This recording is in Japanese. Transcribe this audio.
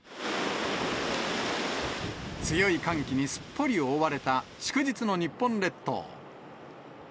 強い寒気にすっぽり覆われた祝日の日本列島。